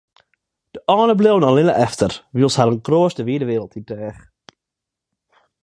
De âlden bleaune allinne efter, wylst harren kroast de wide wrâld yn teach.